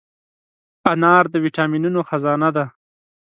انار د ویټامینونو خزانه ده.